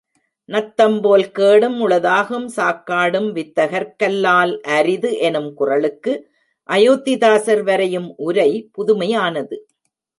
நத்தம் போல் கேடும் உளதாகும் சாக்காடும் வித்தகர்க்கல்லால் அரிது எனும் குறளுக்கு அயோத்திதாசர் வரையும் உரை புதுமையானது.